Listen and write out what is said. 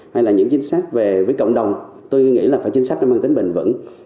hay là những chính sách về với cộng đồng tôi nghĩ là phải chính sách nó mang tính bền vững